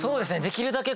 できるだけ。